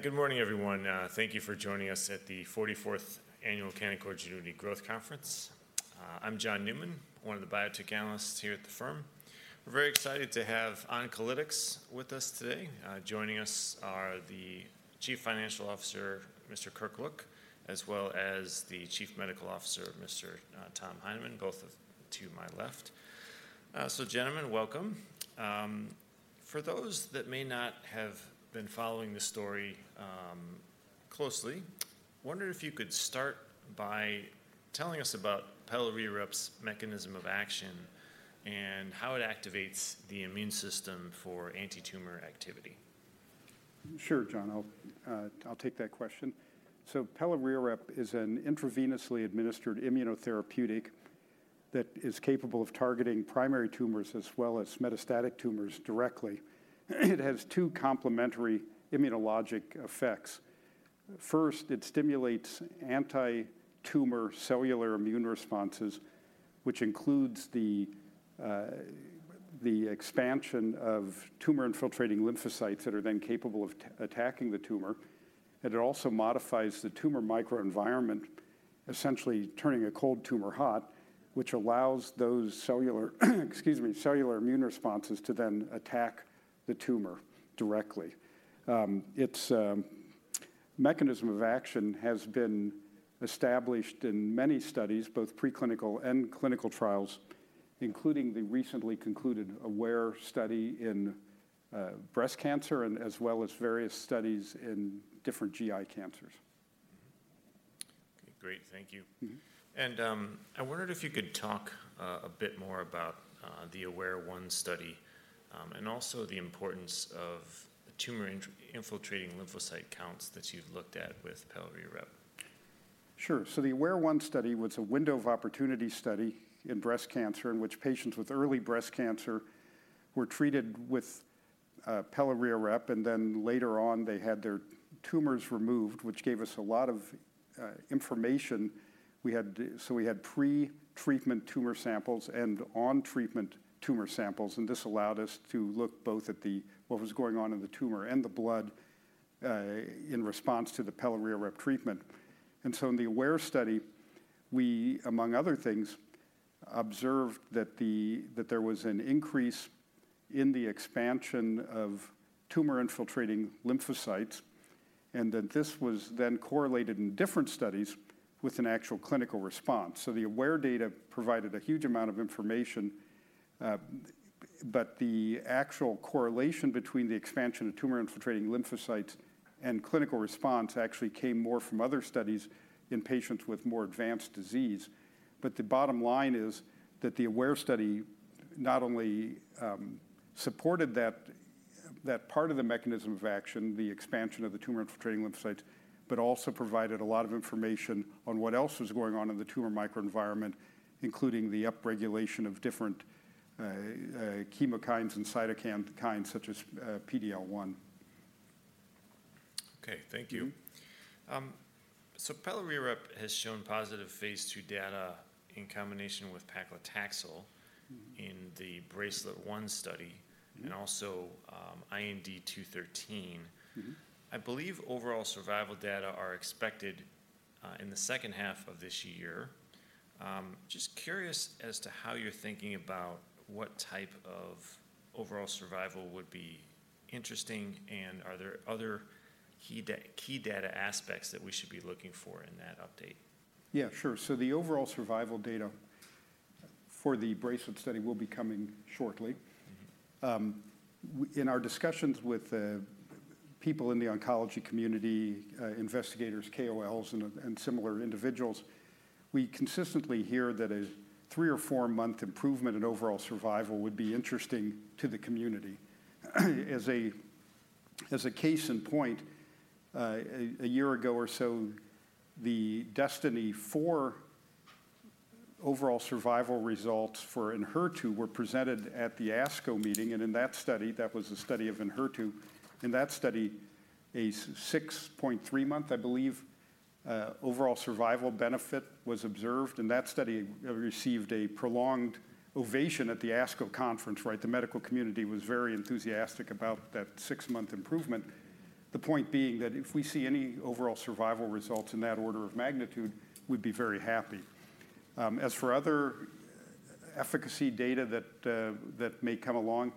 Good morning, everyone. Thank you for joining us at the 44th Annual Canaccord Genuity Growth Conference. I'm John Newman, one of the biotech analysts here at the firm. We're very excited to have Oncolytics with us today. Joining us are the Chief Financial Officer, Mr. Kirk Look, as well as the Chief Medical Officer, Mr. Tom Heineman, both to my left. So gentlemen, welcome. For those that may not have been following this story closely, I wondered if you could start by telling us about pelareorep's mechanism of action and how it activates the immune system for anti-tumor activity. Sure, John, I'll take that question. So pelareorep is an intravenously administered immunotherapeutic that is capable of targeting primary tumors as well as metastatic tumors directly. It has two complementary immunologic effects. First, it stimulates anti-tumor cellular immune responses, which includes the expansion of tumor-infiltrating lymphocytes that are then capable of attacking the tumor, and it also modifies the tumor microenvironment, essentially turning a cold tumor hot, which allows those cellular immune responses to then attack the tumor directly. Its mechanism of action has been established in many studies, both preclinical and clinical trials, including the recently concluded AWARE study in breast cancer and as well as various studies in different GI cancers. Mm-hmm. Okay, great. Thank you. Mm-hmm. I wondered if you could talk a bit more about the AWARE-1 study and also the importance of tumor-infiltrating lymphocyte counts that you've looked at with pelareorep. Sure. So the AWARE-1 study was a window of opportunity study in breast cancer, in which patients with early breast cancer were treated with pelareorep, and then later on, they had their tumors removed, which gave us a lot of information. We had So we had pre-treatment tumor samples and on-treatment tumor samples, and this allowed us to look both at the what was going on in the tumor and the blood in response to the pelareorep treatment. And so in the AWARE study, we, among other things, observed that there was an increase in the expansion of tumor-infiltrating lymphocytes, and that this was then correlated in different studies with an actual clinical response. So the AWARE data provided a huge amount of information, but the actual correlation between the expansion of tumor-infiltrating lymphocytes and clinical response actually came more from other studies in patients with more advanced disease. But the bottom line is that the AWARE study not only supported that part of the mechanism of action, the expansion of the tumor-infiltrating lymphocytes, but also provided a lot of information on what else was going on in the tumor microenvironment, including the upregulation of different chemokines and cytokines, such as PD-L1. Okay, thank you. Mm-hmm. So pelareorep has shown positive phase II data in combination with paclitaxel. Mm-hmm. In the BRACELET-1 study. Mm-hmm. And also, IND.213. Mm-hmm. I believe overall survival data are expected in the second half of this year. Just curious as to how you're thinking about what type of overall survival would be interesting, and are there other key data aspects that we should be looking for in that update? Yeah, sure. So the overall survival data for the BRACELET study will be coming shortly. Mm-hmm. In our discussions with people in the oncology community, investigators, KOLs, and similar individuals, we consistently hear that a 3 or 4 month improvement in overall survival would be interesting to the community. As a case in point, a year ago or so, the DESTINY-Breast04 overall survival results for Enhertu were presented at the ASCO meeting, and in that study, that was a study of Enhertu. In that study, a 6.3-month, I believe, overall survival benefit was observed, and that study received a prolonged ovation at the ASCO conference, right? The medical community was very enthusiastic about that 6-month improvement. The point being that if we see any overall survival results in that order of magnitude, we'd be very happy. As for other efficacy data that may come along,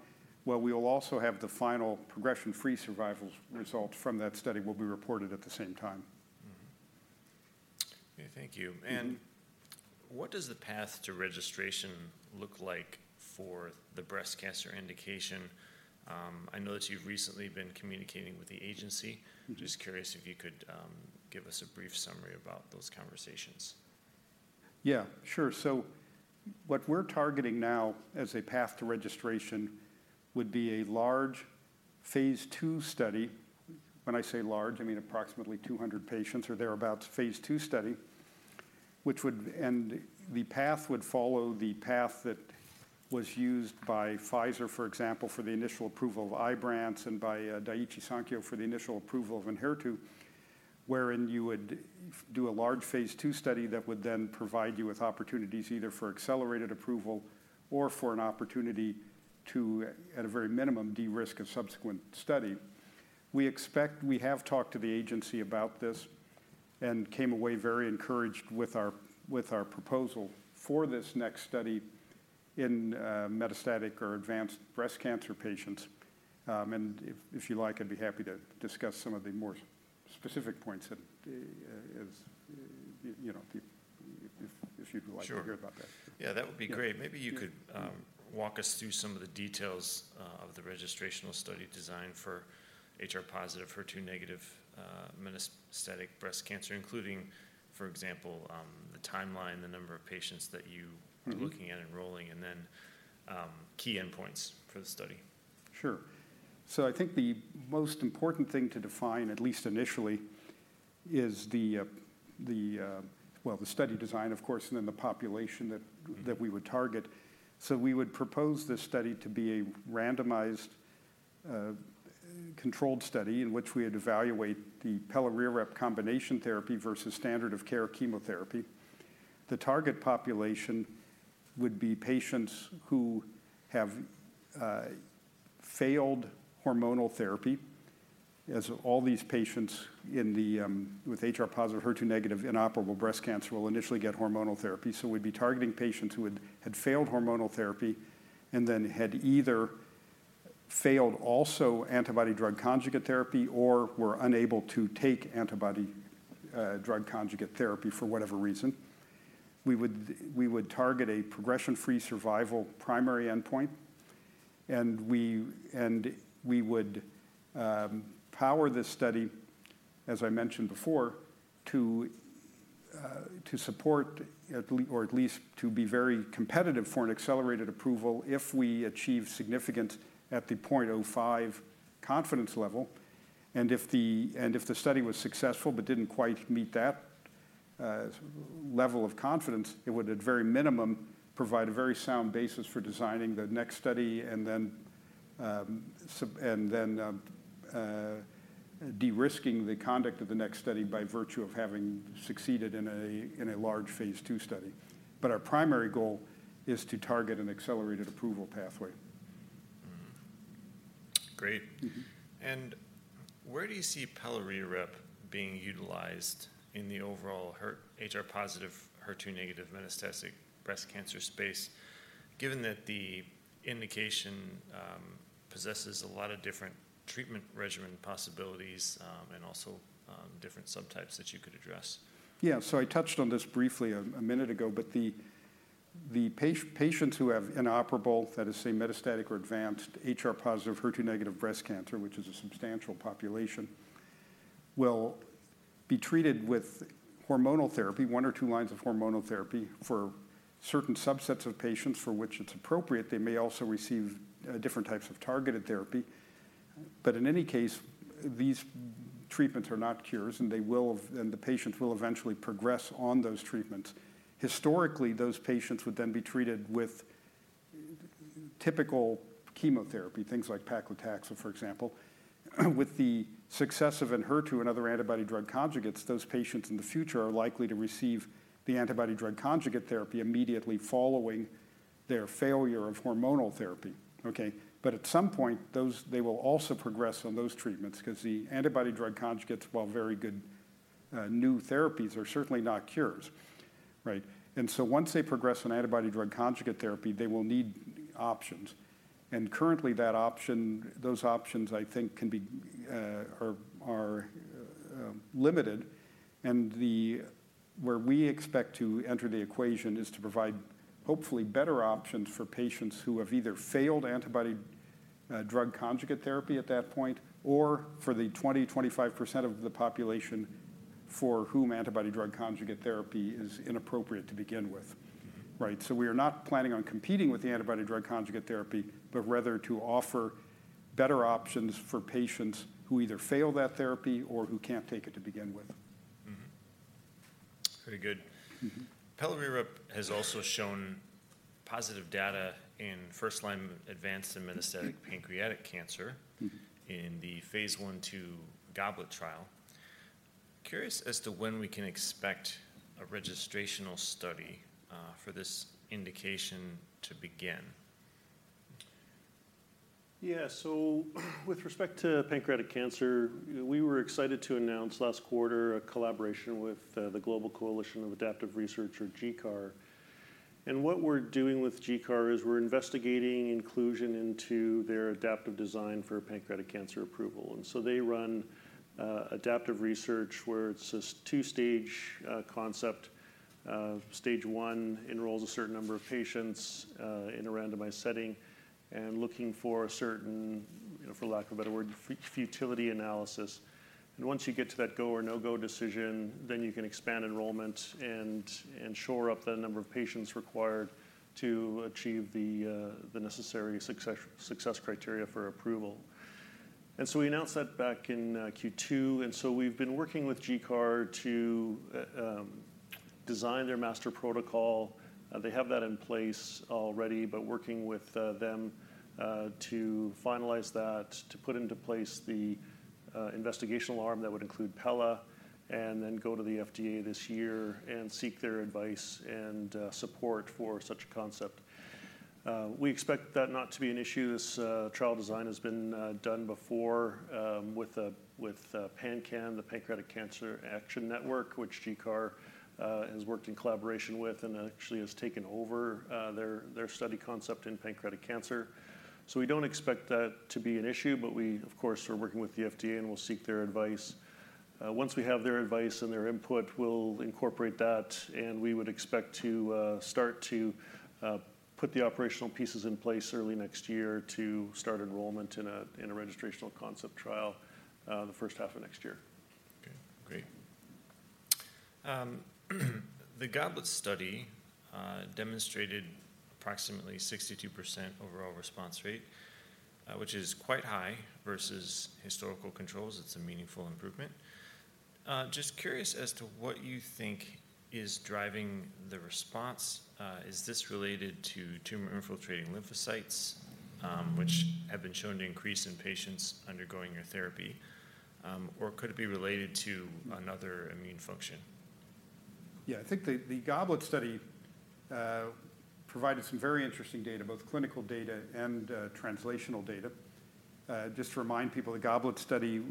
well, we will also have the final progression-free survival results from that study will be reported at the same time. Mm-hmm. Okay, thank you. Mm-hmm. What does the path to registration look like for the breast cancer indication? I know that you've recently been communicating with the agency. Mm-hmm. Just curious if you could, give us a brief summary about those conversations. Yeah, sure. So what we're targeting now as a path to registration would be a large phase II study. When I say large, I mean approximately 200 patients or thereabouts, phase II study, which would, and the path would follow the path that was used by Pfizer, for example, for the initial approval of Ibrance and by Daiichi Sankyo for the initial approval of Enhertu, wherein you would do a large phase II study that would then provide you with opportunities either for accelerated approval or for an opportunity to, at a very minimum, de-risk a subsequent study. We expect. We have talked to the agency about this and came away very encouraged with our, with our proposal for this next study in metastatic or advanced breast cancer patients. And if you like, I'd be happy to discuss some of the more specific points at, as you know, if you'd like. Sure. to hear about that. Yeah, that would be great. Yeah. Maybe you could walk us through some of the details of the registrational study design for HR-positive, HER2-negative metastatic breast cancer, including, for example, the timeline, the number of patients that you- Mm-hmm.... are looking at enrolling, and then, key endpoints for the study. Sure. So I think the most important thing to define, at least initially, is well, the study design, of course, and then the population that- Mm.... that we would target. So we would propose this study to be a randomized, controlled study in which we would evaluate the pelareorep combination therapy versus standard of care chemotherapy. The target population would be patients who have failed hormonal therapy, as all these patients in the, with HR-positive, HER2-negative inoperable breast cancer will initially get hormonal therapy. So we'd be targeting patients who had failed hormonal therapy and then had either failed also antibody-drug conjugate therapy or were unable to take antibody-drug conjugate therapy for whatever reason. We would target a progression-free survival primary endpoint, and we would power this study, as I mentioned before, to support at least—or at least to be very competitive for an accelerated approval if we achieve significance at the 0.05 confidence level. And if the study was successful but didn't quite meet that level of confidence, it would, at very minimum, provide a very sound basis for designing the next study and then de-risking the conduct of the next study by virtue of having succeeded in a large phase II study. But our primary goal is to target an accelerated approval pathway. Mm. Great. Mm-hmm. Where do you see pelareorep being utilized in the overall HR-positive, HER2-negative metastatic breast cancer space, given that the indication possesses a lot of different treatment regimen possibilities, and also different subtypes that you could address? Yeah. So I touched on this briefly a minute ago, but the patients who have inoperable, that is to say, metastatic or advanced HR-positive, HER2-negative breast cancer, which is a substantial population, will be treated with hormonal therapy, one or two lines of hormonal therapy. For certain subsets of patients for which it's appropriate, they may also receive different types of targeted therapy. But in any case, these treatments are not cures, and the patients will eventually progress on those treatments. Historically, those patients would then be treated with typical chemotherapy, things like paclitaxel, for example. With the success of Enhertu and other antibody-drug conjugates, those patients in the future are likely to receive the antibody-drug conjugate therapy immediately following their failure of hormonal therapy. Okay? But at some point, those they will also progress on those treatments because the antibody-drug conjugates, while very good, new therapies, are certainly not cures, right? And so once they progress on antibody-drug conjugate therapy, they will need options. And currently, that option—those options, I think, can be, are limited. And where we expect to enter the equation is to provide hopefully better options for patients who have either failed antibody-drug conjugate therapy at that point, or for the 20%-25% of the population for whom antibody-drug conjugate therapy is inappropriate to begin with. Mm-hmm. Right. So we are not planning on competing with the antibody-drug conjugate therapy, but rather to offer better options for patients who either fail that therapy or who can't take it to begin with. Mm-hmm. Pretty good. Mm-hmm. Pelareorep has also shown positive data in first-line advanced and metastatic pancreatic cancer. Mm.... in the phase I/II GOBLET trial. Curious as to when we can expect a registrational study for this indication to begin? Yeah. So with respect to pancreatic cancer, we were excited to announce last quarter a collaboration with the Global Coalition for Adaptive Research, or GCAR. And what we're doing with GCAR is we're investigating inclusion into their adaptive design for pancreatic cancer approval. And so they run adaptive research, where it's this two-stage concept. Stage one enrolls a certain number of patients in a randomized setting and looking for a certain, you know, for lack of a better word, futility analysis. And once you get to that go or no-go decision, then you can expand enrollment and shore up the number of patients required to achieve the necessary success criteria for approval. And so we announced that back in Q2, and so we've been working with GCAR to design their master protocol. They have that in place already, but working with them to finalize that, to put into place the investigational arm that would include pelareorep, and then go to the FDA this year and seek their advice and support for such a concept. We expect that not to be an issue. This trial design has been done before with PanCAN, the Pancreatic Cancer Action Network, which GCAR has worked in collaboration with and actually has taken over their study concept in pancreatic cancer. So we don't expect that to be an issue, but we, of course, are working with the FDA, and we'll seek their advice. Once we have their advice and their input, we'll incorporate that, and we would expect to start to put the operational pieces in place early next year to start enrollment in a registrational concept trial, the first half of next year. Okay, great. The GOBLET study demonstrated approximately 62% overall response rate, which is quite high versus historical controls. It's a meaningful improvement. Just curious as to what you think is driving the response. Is this related to tumor-infiltrating lymphocytes, which have been shown to increase in patients undergoing your therapy, or could it be related to another immune function? Yeah, I think the GOBLET study provided some very interesting data, both clinical data and translational data. Just to remind people, the GOBLET study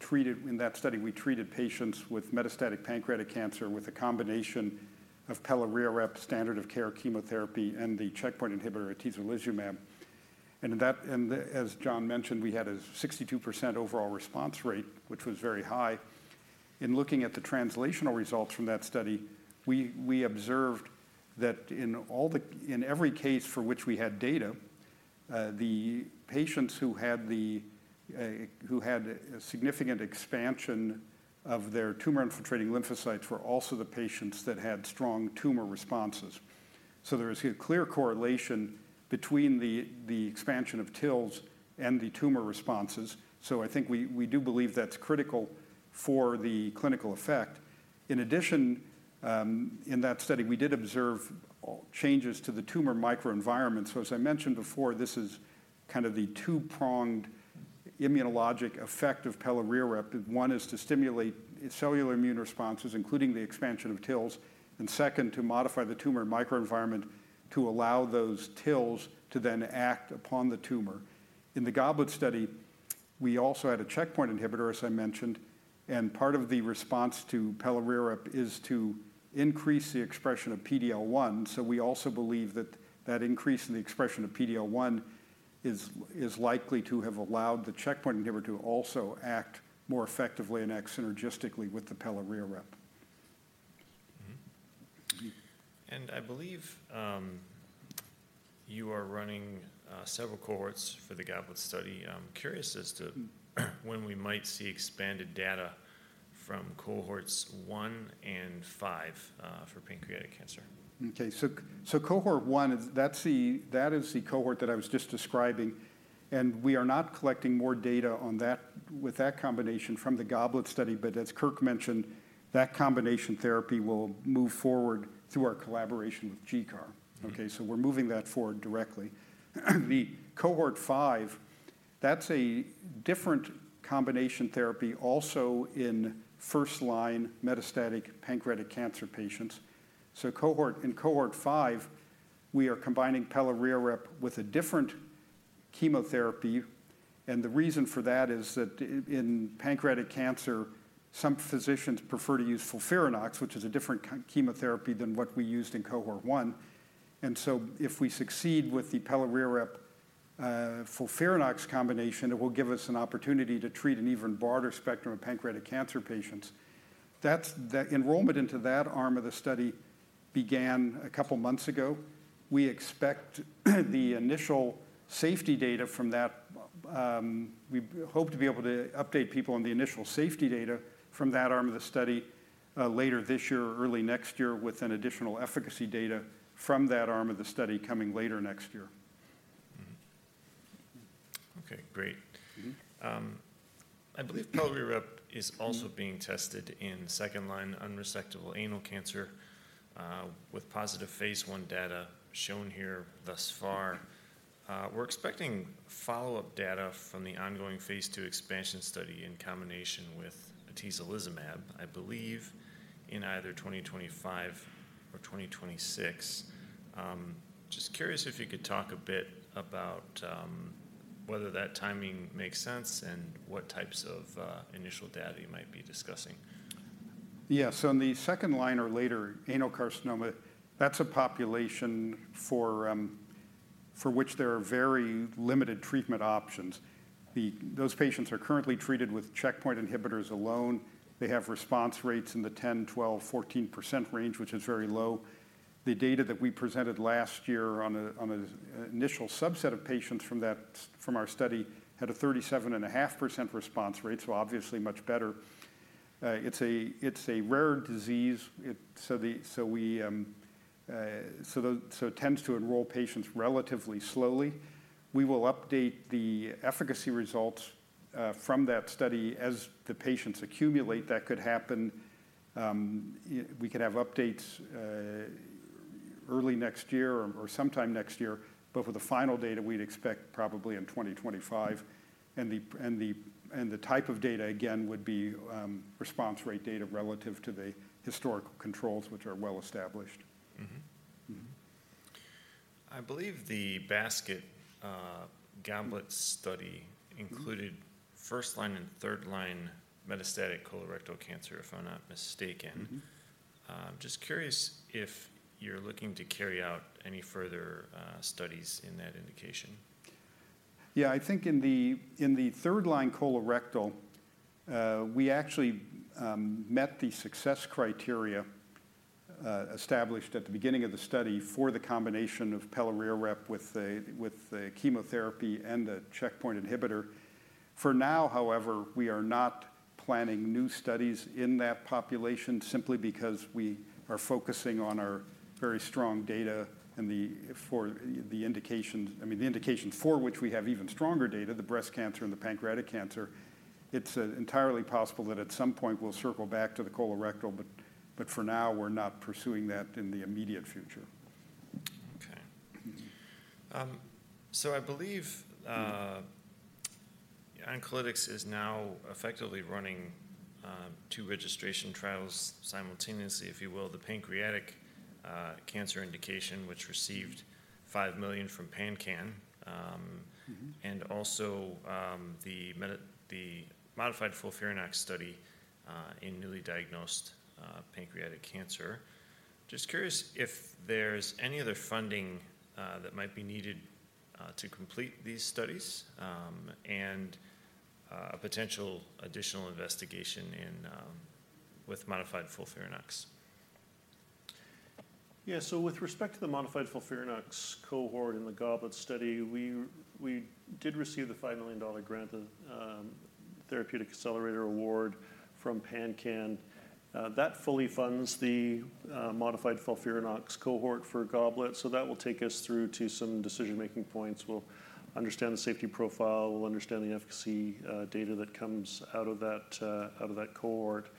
treated—in that study, we treated patients with metastatic pancreatic cancer with a combination of pelareorep, standard of care chemotherapy, and the checkpoint inhibitor atezolizumab. And that—and as John mentioned, we had a 62% overall response rate, which was very high. In looking at the translational results from that study, we observed that in all the—in every case for which we had data, the patients who had the who had a significant expansion of their tumor-infiltrating lymphocytes were also the patients that had strong tumor responses. So there is a clear correlation between the expansion of TILs and the tumor responses. So I think we do believe that's critical for the clinical effect. In addition, in that study, we did observe changes to the tumor microenvironment. So as I mentioned before, this is kind of the two-pronged immunologic effect of pelareorep. One is to stimulate cellular immune responses, including the expansion of TILs, and second, to modify the tumor microenvironment to allow those TILs to then act upon the tumor. In the GOBLET study, we also had a checkpoint inhibitor, as I mentioned, and part of the response to pelareorep is to increase the expression of PD-L1. So we also believe that that increase in the expression of PD-L1 is likely to have allowed the checkpoint inhibitor to also act more effectively and act synergistically with the pelareorep. Mm-hmm. I believe you are running several cohorts for the GOBLET study. I'm curious as to when we might see expanded data from Cohorts 1 and 5 for pancreatic cancer. Okay. So, Cohort 1 is—that's the, that is the cohort that I was just describing, and we are not collecting more data on that, with that combination from the GOBLET study. But as Kirk mentioned, that combination therapy will move forward through our collaboration with GCAR. Mm-hmm. Okay? So we're moving that forward directly. The Cohort 5, that's a different combination therapy, also in first-line metastatic pancreatic cancer patients. So cohort, in Cohort 5, we are combining pelareorep with a different chemotherapy, and the reason for that is that in pancreatic cancer, some physicians prefer to use FOLFIRINOX, which is a different chemotherapy than what we used in cohort one. And so if we succeed with the pelareorep-FOLFIRINOX combination, it will give us an opportunity to treat an even broader spectrum of pancreatic cancer patients. That's the enrollment into that arm of the study began a couple months ago. We expect the initial safety data from that. We hope to be able to update people on the initial safety data from that arm of the study, later this year or early next year, with an additional efficacy data from that arm of the study coming later next year. Mm-hmm. Okay, great. Mm-hmm. I believe pelareorep- Mm-hmm.... is also being tested in second-line unresectable anal cancer, with positive phase I data shown here thus far. We're expecting follow-up data from the ongoing phase II expansion study in combination with atezolizumab, I believe, in either 2025 or 2026. Just curious if you could talk a bit about whether that timing makes sense and what types of initial data you might be discussing. Yeah. So in the second line or later, anal carcinoma, that's a population for which there are very limited treatment options. Those patients are currently treated with checkpoint inhibitors alone. They have response rates in the 10%, 12%, 14% range, which is very low. The data that we presented last year on an initial subset of patients from that, from our study had a 37.5% response rate, so obviously much better. It's a rare disease. So it tends to enroll patients relatively slowly. We will update the efficacy results from that study as the patients accumulate. That could happen, we could have updates early next year or sometime next year. But for the final data, we'd expect probably in 2025. The type of data again would be response rate data relative to the historical controls, which are well established. I believe the basket GOBLET study. Mm-hmm.... included first-line and third-line metastatic colorectal cancer, if I'm not mistaken. Mm-hmm. Just curious if you're looking to carry out any further studies in that indication? Yeah, I think in the third-line colorectal, we actually met the success criteria established at the beginning of the study for the combination of pelareorep with the chemotherapy and the checkpoint inhibitor. For now, however, we are not planning new studies in that population, simply because we are focusing on our very strong data and the for the indications I mean, the indications for which we have even stronger data, the breast cancer and the pancreatic cancer. It's entirely possible that at some point we'll circle back to the colorectal, but for now, we're not pursuing that in the immediate future. Okay. Mm-hmm. I believe Oncolytics is now effectively running two registration trials simultaneously, if you will. The pancreatic cancer indication, which received $5 million from PanCAN, Mm-hmm.... and also, the modified FOLFIRINOX study in newly diagnosed pancreatic cancer. Just curious if there's any other funding that might be needed to complete these studies? And a potential additional investigation in with modified FOLFIRINOX. Yeah. So with respect to the modified FOLFIRINOX cohort in the GOBLET study, we did receive the $5 million grant, the Therapeutic Accelerator Award from PanCan. That fully funds the modified FOLFIRINOX cohort for GOBLET, so that will take us through to some decision-making points. We'll understand the safety profile, we'll understand the efficacy data that comes out of that cohort,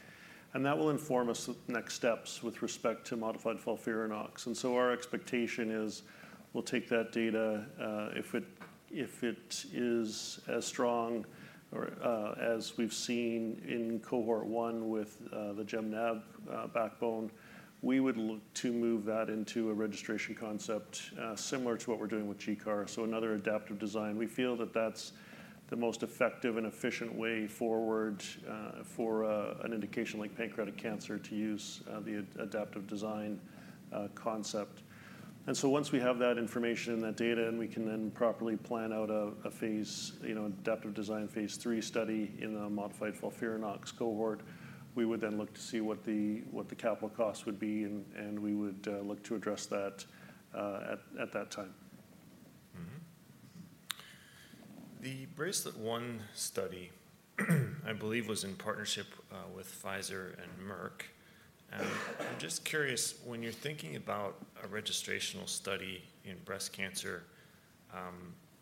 and that will inform us the next steps with respect to modified FOLFIRINOX. And so our expectation is, we'll take that data, if it is as strong or as we've seen in Cohort 1 with the Gem-Nab backbone, we would look to move that into a registration concept, similar to what we're doing with GCAR. So another adaptive design. We feel that that's the most effective and efficient way forward, for an indication like pancreatic cancer, to use the adaptive design concept. And so once we have that information and that data, and we can then properly plan out a, a phase, you know, adaptive design, phase III study in the modified FOLFIRINOX cohort, we would then look to see what the, what the capital cost would be, and, and we would look to address that, at, at that time. Mm-hmm. The BRACELET-1 study, I believe, was in partnership with Pfizer and Merck. I'm just curious, when you're thinking about a registrational study in breast cancer,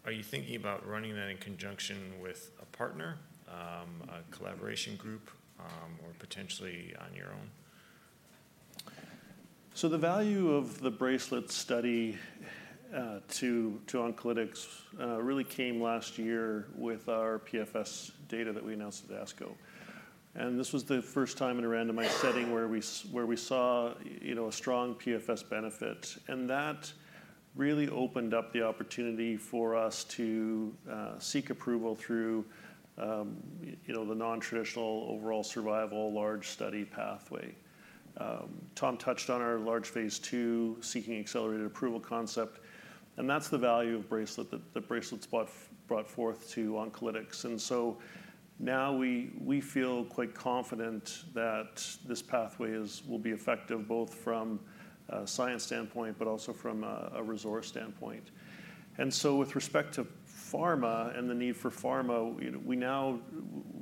are you thinking about running that in conjunction with a partner, a collaboration group, or potentially on your own? So the value of the BRACELET study to Oncolytics really came last year with our PFS data that we announced at ASCO. And this was the first time in a randomized setting where we saw, you know, a strong PFS benefit. And that really opened up the opportunity for us to seek approval through, you know, the non-traditional overall survival large study pathway. Tom touched on our large phase II, seeking accelerated approval concept, and that's the value of BRACELET that BRACELET's brought forth to Oncolytics. And so now we feel quite confident that this pathway will be effective both from a science standpoint, but also from a resource standpoint. And so with respect to pharma and the need for pharma, you know, we now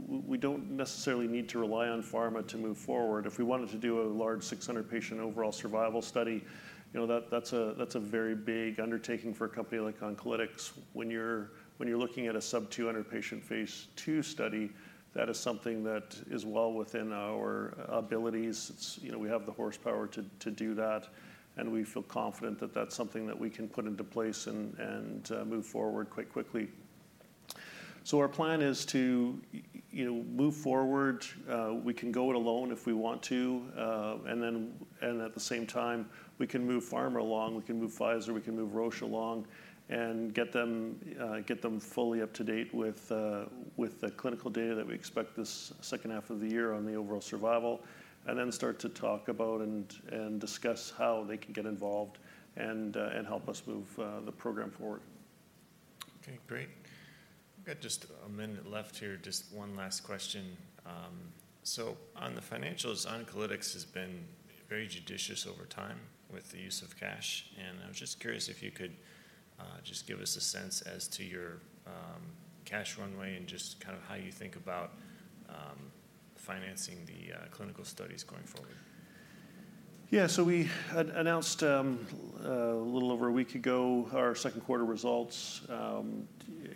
we don't necessarily need to rely on pharma to move forward. If we wanted to do a large 600-patient overall survival study, you know, that's a very big undertaking for a company like Oncolytics. When you're looking at a sub 200-patient phase II study, that is something that is well within our abilities. It's, you know, we have the horsepower to do that, and we feel confident that that's something that we can put into place and move forward quite quickly. So our plan is to, you know, move forward. We can go it alone if we want to, and then, and at the same time, we can move pharma along, we can move Pfizer, we can move Roche along, and get them, get them fully up to date with, with the clinical data that we expect this second half of the year on the overall survival, and then start to talk about and, and discuss how they can get involved and, and help us move, the program forward. Okay, great. We've got just a minute left here, just one last question. So on the financials, Oncolytics has been very judicious over time with the use of cash, and I was just curious if you could just give us a sense as to your cash runway and just kind of how you think about financing the clinical studies going forward. Yeah, so we announced, a little over a week ago, our second-quarter results,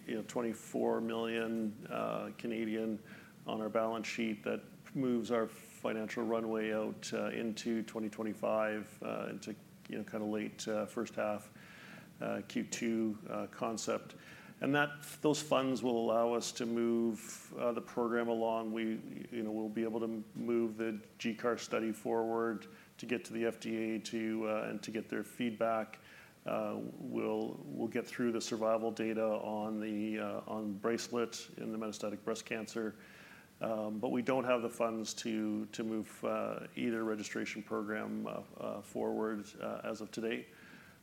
you know, 24 million on our balance sheet. That moves our financial runway out, into 2025, into, you know, kind of late, first half, Q2 concept. And those funds will allow us to move, the program along. We, you know, we'll be able to move the GCAR study forward to get to the FDA, to, and to get their feedback. We'll get through the survival data on the, on BRACELET in the metastatic breast cancer. But we don't have the funds to move, either registration program, forward, as of today.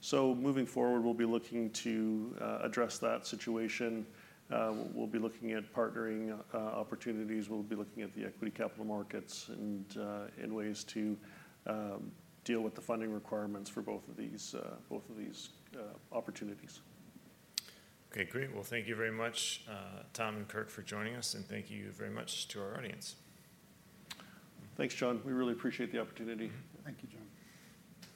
So moving forward, we'll be looking to address that situation. We'll be looking at partnering opportunities. We'll be looking at the equity capital markets and ways to deal with the funding requirements for both of these opportunities. Okay, great. Well, thank you very much, Tom and Kirk, for joining us, and thank you very much to our audience. Thanks, John. We really appreciate the opportunity. Thank you, John.